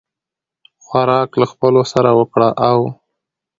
خوراک له خپلو سره وکړه او